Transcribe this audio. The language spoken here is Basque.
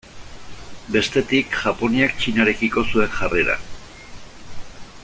Bestetik Japoniak Txinarekiko zuen jarrera.